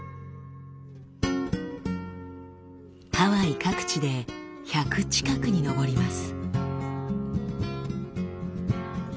ハワイ各地で１００近くに上ります。